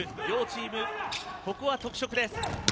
両チーム、ここは特色です。